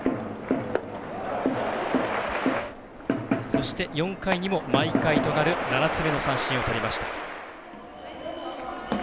そして４回にも毎回となる７つ目の三振をとりました。